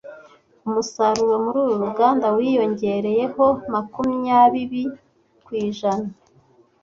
Umusaruro muri uru ruganda wiyongereyeho makumya bibi kw ijana.